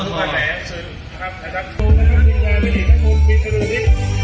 พี่น้องขออำนาจมาให้พี่